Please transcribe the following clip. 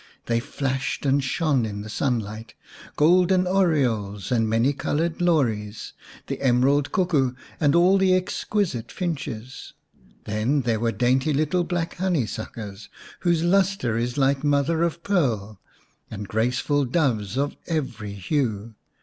They flashed and shone in the sunlight golden orioles and many coloured lorys, the emerald cuckoo and all the exquisite finches. 242 xx The White Dove Then there were dainty little black honey suckers, whose lustre is like mother of pearl, and graceful doves of every hue.